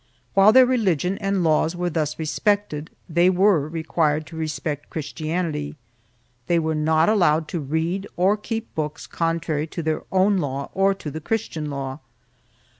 3 While their religion and laws were thus respected, they were required to respect Christianity. They were not allowed to read or keep books contrary to their own law or to the Christian law.